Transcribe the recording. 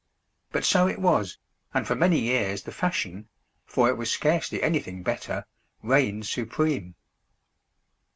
But so it was, and for many years the fashion, for it was scarcely anything better, reigned supreme.